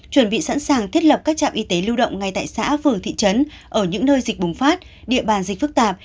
chuẩn bị sẵn sàng thiết lập các trạm y tế lưu động ngay tại xã phường thị trấn ở những nơi dịch bùng phát địa bàn dịch phức tạp